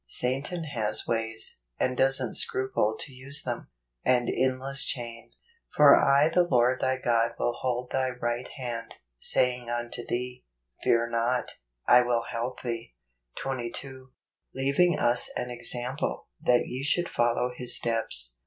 Satan has ways, and doesn't scruple to use them. An Endless Chain. " For I the Lord thy God mil hold thy right hand , saying unto thee , Fear not; I will help thee." 22. " Leaving us an example, that ye should follow his steps."